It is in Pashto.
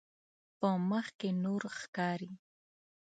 په مخ کې نور ښکاري.